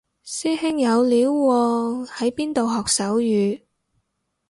師兄有料喎喺邊度學手語